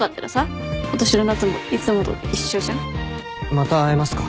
また会えますか？